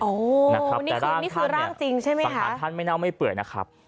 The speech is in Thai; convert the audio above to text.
แต่ร่างท่านเนี่ยสารท่านไม่เน่าไม่เปื่อยนะครับแต่ร่างท่านเนี่ยสารท่านไม่เน่าไม่เปื่อยนะครับ